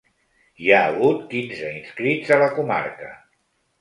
Hi ha hagut quinze inscrits a la comarca.